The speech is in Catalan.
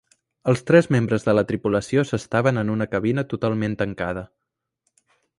Els tres membres de la tripulació s'estaven en una cabina totalment tancada.